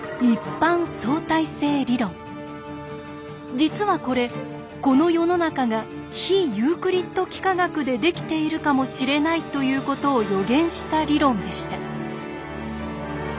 実はこれこの世の中が非ユークリッド幾何学でできているかもしれないということを予言した理論でした。